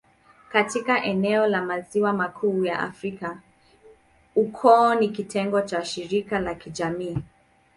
Katika eneo la Maziwa Makuu ya Afrika, ukoo ni kitengo cha shirika la kijamii.